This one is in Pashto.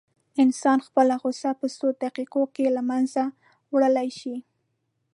انسان خپله غوسه په څو دقيقو کې له منځه وړلی شي.